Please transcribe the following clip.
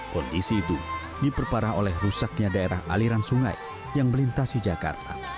kondisi itu diperparah oleh rusaknya daerah aliran sungai yang melintasi jakarta